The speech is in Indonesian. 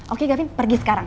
oke gavind pergi sekarang